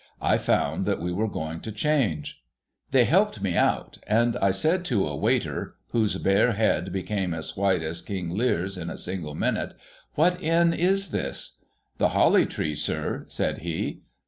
I found that we were going to change. They helped me out, and I said to a waiter, whose bare head became as white as King Lear's in a single minute, ' What Inn is this ?'' The Holly Tree, sir,' .said he.